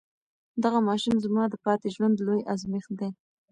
دغه ماشوم زما د پاتې ژوند لوی ازمېښت دی.